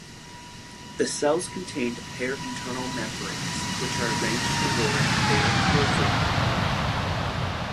The cells contained paired internal membranes which are arranged towards their periphery.